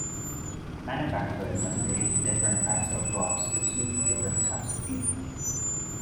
Manufacturers have created different types of gloves to suit different types of people.